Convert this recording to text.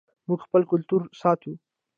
موږ خپل کلتور ساتو